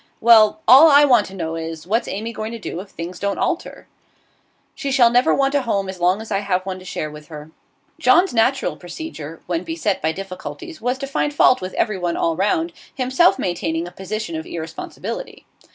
'Well, all I want to know is, what's Amy going to do if things don't alter?' 'She shall never want a home as long as I have one to share with her.' John's natural procedure, when beset by difficulties, was to find fault with everyone all round, himself maintaining a position of irresponsibility.